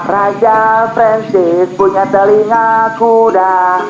raja francis punya telinga kuda